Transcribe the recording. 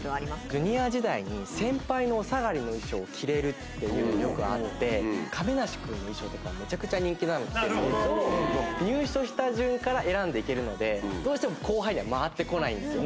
ジュニア時代に、先輩のおさがりの衣装を着れるっていうのがよくあって、亀梨君の衣装とかめちゃくちゃ人気なんですけども、入所した順から選んでいけるので、どうしても後輩には回ってこないんですよ。